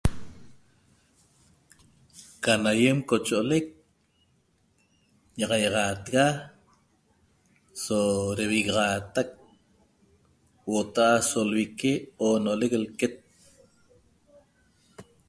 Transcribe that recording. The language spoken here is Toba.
Can aýem cocho'olec ña'axaixatega so devigaxaatac huota'a aso lvique oonolec lquet